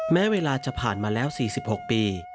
แม้เวลาจะผ่านมาแล้ว๔๖ปี